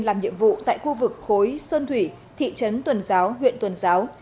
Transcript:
làm nhiệm vụ tại khu vực khối sơn thủy thị trấn tuần giáo huyện tuần giáo